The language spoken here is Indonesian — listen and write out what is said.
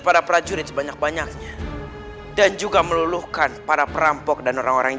para prajurit sebanyak banyaknya dan juga meluluhkan para perampok dan orang orang